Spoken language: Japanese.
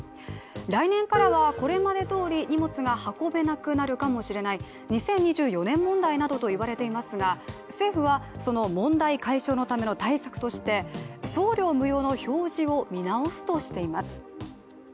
来年からはこれまでどおり荷物が運べなくなるかもしれない、２０２４年問題などと言われていますが政府はその問題解消のための対策として送料無料の表示を見直すとしています。